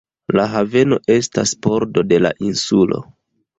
La haveno estas pordo de la insulo.